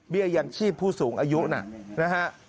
เบี้ยอย่างที่ผู้สูงอายุนะนะฮะ